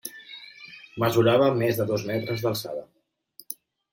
Mesurava més de dos metres d'alçada.